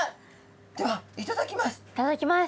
ではいただきます。